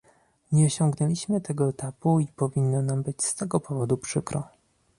Nie osiągnęliśmy tego etapu i powinno nam być z tego powodu przykro